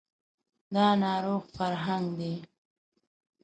دا ناروغ فرهنګ دی